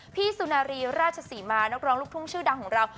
สุนารีราชศรีมานักร้องลูกทุ่งชื่อดังของเรา